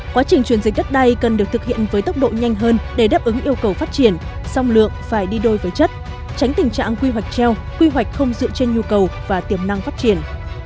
quá trình chuyển dịch đất đai cần được thực hiện với tốc độ nhanh hơn để đáp ứng yêu cầu phát triển song lượng phải đi đôi với chất tránh tình trạng quy hoạch treo quy hoạch không dựa trên nhu cầu và tiềm năng phát triển